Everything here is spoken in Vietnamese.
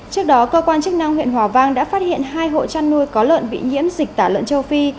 trước đó cơ quan chức năng huyện hòa vang đã phát hiện hai hộ chăn nuôi có lợn bị nhiễm dịch tả lợn châu phi